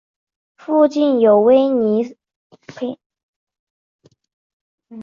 附近有威尔斯亲王医院。